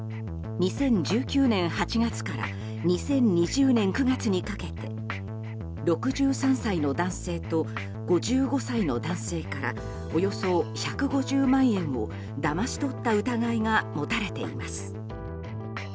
２０１９年８月から２０２０年９月にかけて６３歳の男性と５５歳の男性からおよそ１５０万円をだまし取った疑いが持たれています。